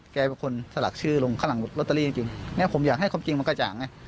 แกเป็นคนสลักชื่อลงข้างหลังลอตเตอรี่จริงเนี่ยผมอยากให้ความจริงมันกระจ่างไง